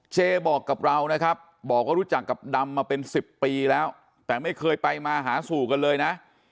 เจบอกกับเรานะครับบอกว่ารู้จักกับดำมาเป็น๑๐ปีแล้วแต่ไม่เคยไปมาหาสู่กันเลยนะ